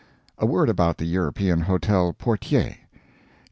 A word about the European hotel PORTIER.